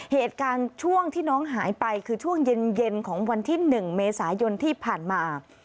เหตุการณ์ช่วงที่น้องหายไปคือช่วงเย็นของวันที่๑เมษายนที่ผ่านมา